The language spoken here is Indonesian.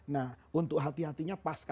nah untuk hati hatinya pasal itu ya ya